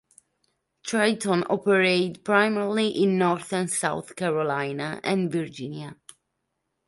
Triton operated primarily in North and South Carolina and Virginia.